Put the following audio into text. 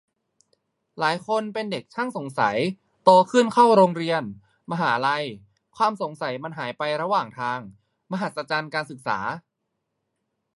หลายคนเป็นเด็กช่างสงสัย โตขึ้นเข้าโรงเรียน มหาลัย ความสงสัยมันหายไประหว่างทาง - มหัศจรรย์การศึกษา !